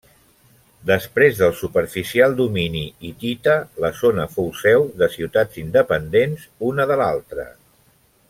Després del superficial domini hitita la zona fou seu de ciutats independents una de l'altra.